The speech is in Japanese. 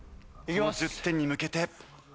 その１０点に向けて。